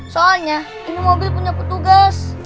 soalnya ini mobil punya petugas